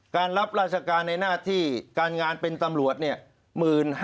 รับราชการในหน้าที่การงานเป็นตำรวจเนี่ย